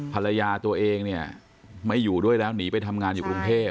ภรรยาตัวเองเนี่ยไม่อยู่ด้วยแล้วหนีไปทำงานอยู่กรุงเทพ